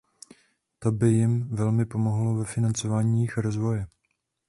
To by jim velmi pomohlo ve financování jejich rozvoje.